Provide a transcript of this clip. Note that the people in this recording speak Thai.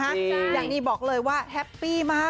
อย่างนี้บอกเลยว่าแฮปปี้มาก